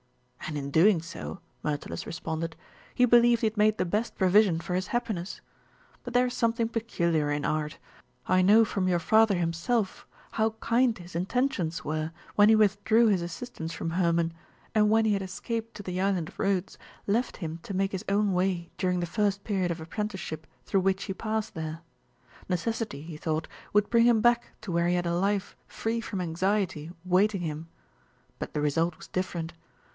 "And in doing so," Myrtilus responded, "he believed he had made the best provision for his happiness. But there is something peculiar in art. I know from your father himself how kind his intentions were when he withdrew his assistance from Hermon, and when he had escaped to the island of Rhodes, left him to make his own way during the first period of apprenticeship through which he passed there. Necessity, he thought, would bring him back to where he had a life free from anxiety awaiting him. But the result was different.